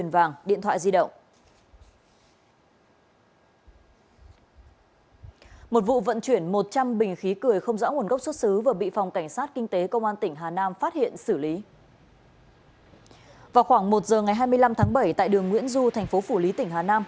vào khoảng một giờ ngày hai mươi năm tháng bảy tại đường nguyễn du thành phố phủ lý tỉnh hà nam